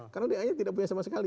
karena daa nya tidak punya sama sekali